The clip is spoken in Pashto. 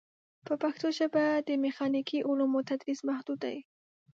په پښتو ژبه د میخانیکي علومو تدریس محدود دی.